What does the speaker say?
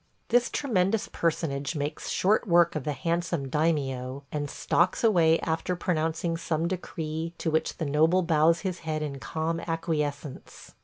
... This tremendous personage makes short work of the handsome daimio, and stalks away after pronouncing some decree to which the noble bows his head in calm acquiescence.